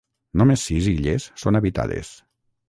Només sis illes són habitades.